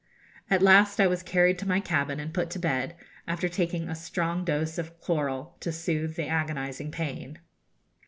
At last I was carried to my cabin and put to bed, after taking a strong dose of chloral to soothe the agonising pain.